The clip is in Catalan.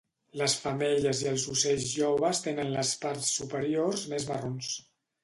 Les femelles i els ocells joves tenen les parts superiors més marrons.